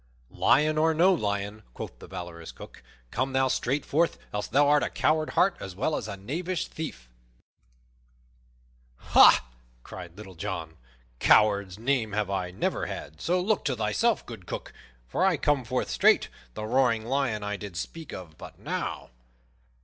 "Lion or no lion," quoth the valorous Cook, "come thou straight forth, else thou art a coward heart as well as a knavish thief." "Ha!" cried Little John, "coward's name have I never had; so, look to thyself, good Cook, for I come forth straight, the roaring lion I did speak of but now."